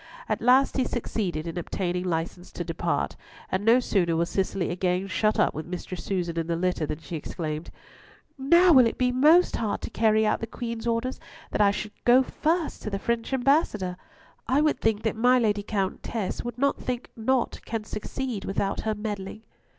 At last he succeeded in obtaining license to depart, and no sooner was Cicely again shut up with Mistress Susan in the litter than she exclaimed, "Now will it be most hard to carry out the Queen's orders that I should go first to the French Ambassador. I would that my Lady Countess would not think naught can succeed without her meddling."